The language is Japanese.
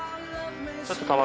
ちょっと。